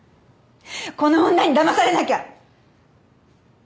この女にだまされなきゃ！